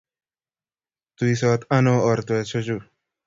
tuisot ano ortwechu